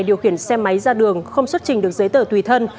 điều khiển xe máy ra đường không xuất trình được giấy tờ tùy thân